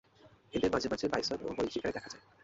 এদেরকে মাঝে মাঝে বাইসন ও হরিণ শিকারে দেখা যায়।